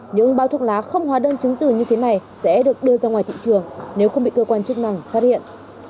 những bao thuốc lá không hóa đơn chứng từ như thế này sẽ được đưa ra ngoài thị trường nếu không bị cơ quan chức năng phát hiện